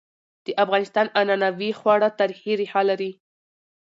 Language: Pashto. د افغانستان عنعنوي خواړه تاریخي ريښه لري.